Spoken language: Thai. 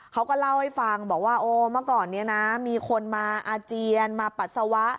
เขาก็เล่าให้ฟังบอกว่าโอ้เมื่อก่อนนี้นะมีคนมาอาเจียนมาปัสสาวะ